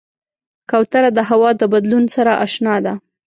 کوتره د هوا د بدلون سره اشنا ده.